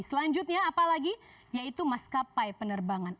selanjutnya apalagi yaitu maskapai penerbangan